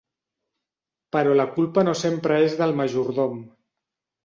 Però la culpa no sempre és del majordom.